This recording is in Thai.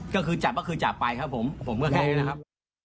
ก็คือจับก็คือจับไปครับผมผมก็แค่นี้นะครับ